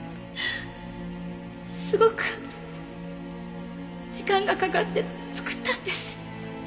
すごく時間がかかって作ったんです。